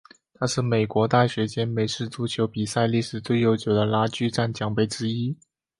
它是美国大学间美式足球比赛历史最悠久的拉锯战奖杯之一。